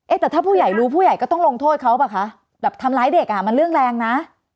แต่ถ้าผู้ใหญ่รู้ผู้ใหญ่ก็ต้องลงโทษเขาป่ะคะแบบทำร้ายเด็กอ่ะมันเรื่องแรงนะ